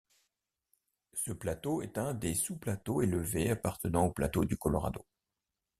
Ce plateau est un des sous plateaux élevés appartenant au plateau du Colorado.